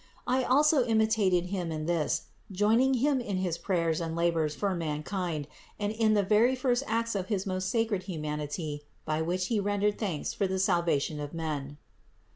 I also imitated Him in this, join ing Him in his prayers and labors for mankind and in the very first acts of his most sacred humanity by which He rendered thanks for the salvation of men.